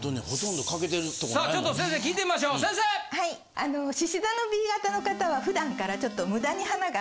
あの獅子座のＢ型の方は普段からちょっと。